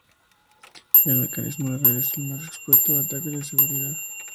El mecanismo de red es el más expuesto a ataques de seguridad.